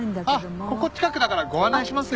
ああここ近くだからご案内しますよ。